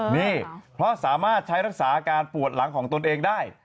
นี่เพราะสามารถใช้รักษาอาการปวดหลังของตนเองได้